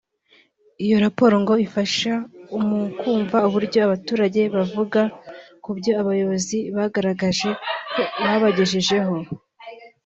Iyo raporo ngo ifasha mu kumva uburyo abaturage bavuga kubyo abayobozi bagaragaje ko babagejejeho